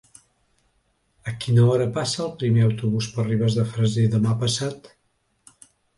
A quina hora passa el primer autobús per Ribes de Freser demà passat?